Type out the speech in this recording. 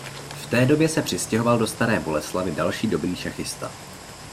V té době se přistěhoval do Staré Boleslavi další dobrý šachista.